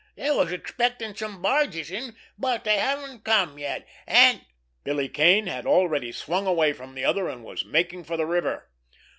They was expecting some barges in, but they haven't come yet, and——" Billy Kane had already swung away from the other, and was making for the river.